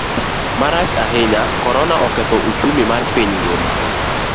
Marach ahinya, Korona oketho ochumi mar piny ngima.